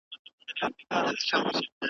ځکه چي هغوی ژبه نه لري .